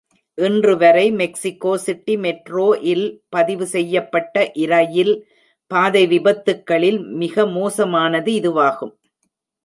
இன்றுவரை, Mexico City metro இல் பதிவு செய்யப்பட்ட இரயில் பாதை விபத்துக்களில் மிக மோசமானது இதுவாகும்.